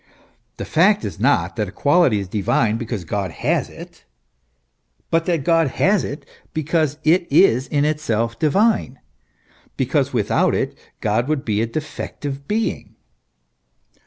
The fact is not that a quality is divine because God has it, but that God has it because it is in itself divine : because without it God would be a defective being.